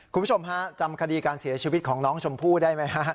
คุณผู้ชมฮะจำคดีการเสียชีวิตของน้องชมพู่ได้ไหมฮะ